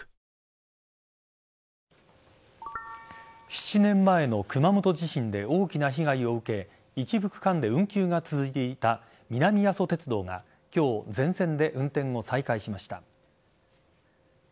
７年前の熊本地震で大きな被害を受け一部区間で運休が続いていた南阿蘇鉄道が今日、全線で運転を再開しました。